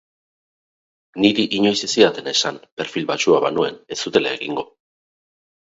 Niri inoiz ez zidaten esan perfil baxua banuen ez zutela egingo.